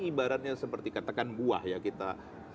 ibaratnya seperti katakan buah ya kita